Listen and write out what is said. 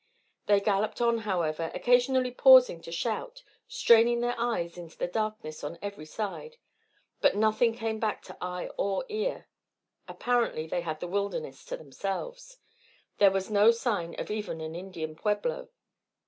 They galloped on, however, occasionally pausing to shout, straining their eyes into the darkness on every side. But nothing came back to eye or ear. Apparently they had the wilderness to themselves. There was no sign of even an Indian pueblo.